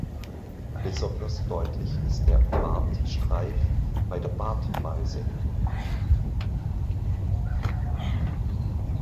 Besonders deutlich ist der Bartstreif bei der Bartmeise.